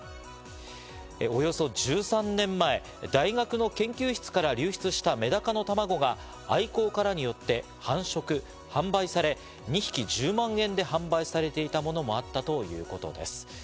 およそ１３年前、大学の研究室から流出したメダカの卵が愛好家らによって繁殖・販売され、２匹１０万円で販売されていたものもあったということです。